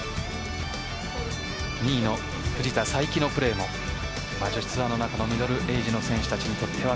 ２位の藤田さいきのプレーも女子ツアーの中のミドルエイジの選手たちにとっては